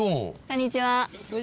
こんにちは。